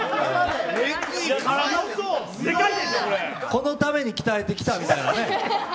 このために鍛えてきたみたいなね。